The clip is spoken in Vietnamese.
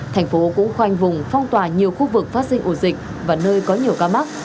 tp hcm cũng khoanh vùng phòng tòa nhiều khu vực phát sinh ổ dịch và nơi có nhiều ca mắc